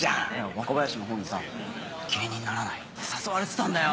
若林の方にさ「芸人にならない？」って誘われてたんだよ！